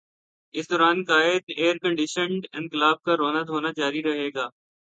اس دوران قائد ائیرکنڈیشنڈ انقلاب کا رونا دھونا جاری رہے گا۔